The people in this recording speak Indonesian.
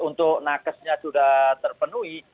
untuk nakesnya sudah terpenuhi